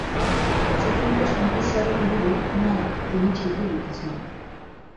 সুচরিতা শান্তস্বরে কহিল, না, তিনি ঠিকই লিখেছেন।